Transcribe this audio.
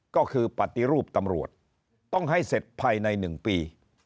ก็คือปฏิรูปตำรวจต้องให้เสร็จภายใน๑ปี